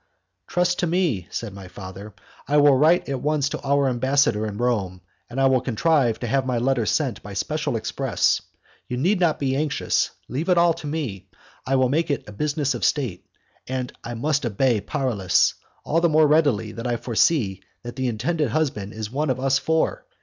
"Trust to me," said my father, "I will write at once to our ambassador in Rome, and I will contrive to have my letter sent by special express. You need not be anxious, leave it all to me, I will make it a business of state, and I must obey Paralis all the more readily that I foresee that the intended husband is one of us four.